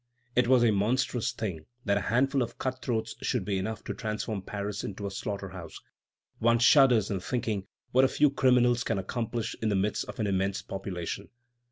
It was a monstrous thing that a handful of cut throats should be enough to transform Paris into a slaughter house. One shudders in thinking what a few criminals can accomplish in the midst of an immense population.